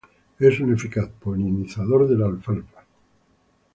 Es un eficaz polinizador de la alfalfa.